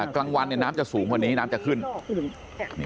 กลางวันเนี่ยน้ำจะสูงวันนี้น้ำจะขึ้น